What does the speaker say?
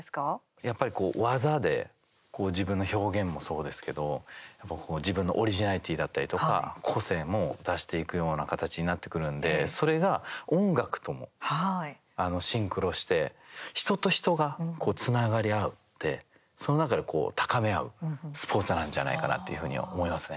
やっぱり技で自分の表現もそうですけど自分のオリジナリティーだったりとか個性も出していくような形になってくるんでそれが音楽ともシンクロして人と人がつながり合ってその中で高め合うスポーツなんじゃないかなっていうふうに思いますね。